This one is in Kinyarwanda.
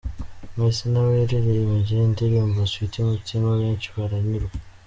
Messy nawe yaririmbye indirimbo Sweety Mutima benshi baranyurwa.